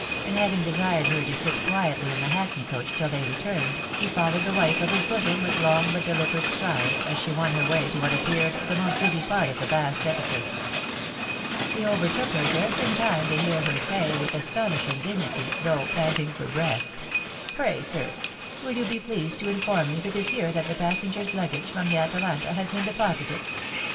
" and having desired her to sit quietly in the hackney coach till they returned, he followed the wife of his bosom with long but deliberate strides, as she won her way to what appeared the most busy part of the vast edifice. He overtook her just in time to hear her say, with astonishing dignity, though panting for breath, " Pray, sir, wiU you be pleased to inform me if it is here that the passengers' luggage from the Atalanta has been de posited